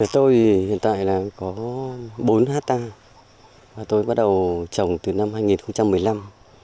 tôi hiện tại có bốn hectare tôi bắt đầu trồng từ năm hai nghìn một mươi năm